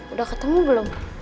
udah ketemu belum